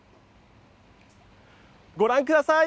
ご覧ください。